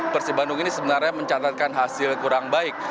persib bandung ini sebenarnya mencatatkan hasil kurang baik